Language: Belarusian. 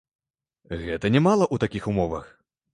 Гэта нямала ў такіх умовах.